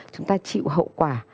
chúng ta chịu hậu quả